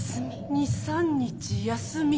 ２３日休み？